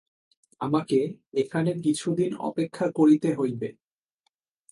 আমাকে এখন কিছুদিন অপেক্ষা করিতে হইবে।